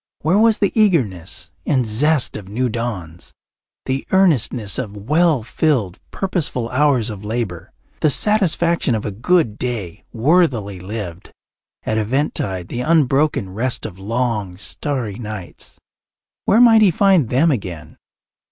Where was the eagerness and zest of new dawns, the earnestness of well filled, purposeful hours of labour, the satisfaction of a good day worthily lived, at eventide the unbroken rest of long, starry nights? Where might he find them again?